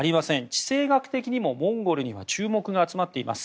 地政学的にもモンゴルには注目が集まっています。